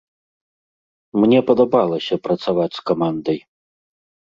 Мне падабалася працаваць з камандай.